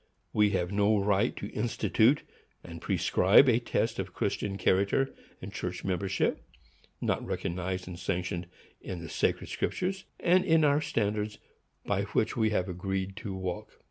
We have no right to institute and prescribe a test of Christian character and church membership, not recognized and sanctioned in the sacred Scriptures, and in our standards, by which we have agreed to walk.